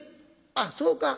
「あっそうか？